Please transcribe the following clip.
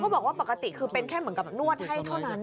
บอกว่าปกติคือเป็นแค่เหมือนกับนวดให้เท่านั้น